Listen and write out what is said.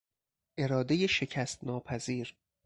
ارادهی شکست ناپذیر